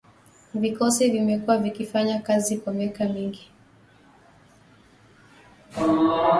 Vikosi vimekuwa vikifanya kazi kwa miaka mingi